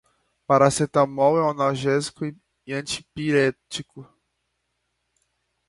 Paracetamol é um analgésico e antipirético.